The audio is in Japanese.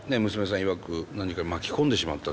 いわく何か巻き込んでしまったという。